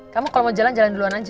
kamu kalau mau jalan jalan duluan aja